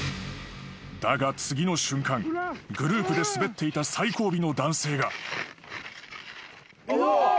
［だが次の瞬間グループで滑っていた最後尾の男性が］